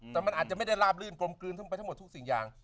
แต่มันอาจจะไม่ได้ราบลื่นกลมกลืนขึ้นไปทั้งหมดทุกสิ่งอย่าง